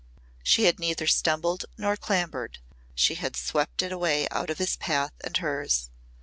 She had neither stumbled nor clambered, she had swept it away out of his path and hers.